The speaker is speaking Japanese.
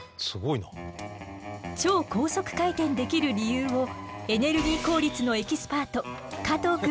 超高速回転できる理由をエネルギー効率のエキスパート加藤くんが教えてくれるわ。